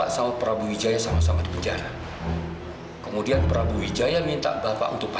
sampai jumpa di video selanjutnya